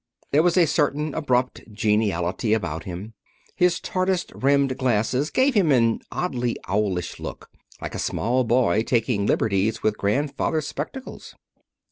There was a certain abrupt geniality about him. His tortoise rimmed glasses gave him an oddly owlish look, like a small boy taking liberties with grandfather's spectacles.